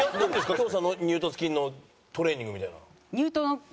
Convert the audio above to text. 胸鎖乳突筋のトレーニングみたいな。